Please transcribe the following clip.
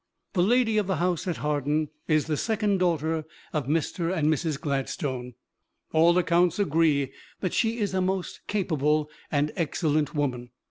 The "lady of the house" at Hawarden is the second daughter of Mr. and Mrs. Gladstone. All accounts agree that she is a most capable and excellent woman.